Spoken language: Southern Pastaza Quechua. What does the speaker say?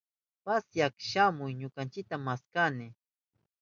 Pasyak shamuy ñukanchita, mashayni.